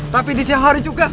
tapi di siang hari juga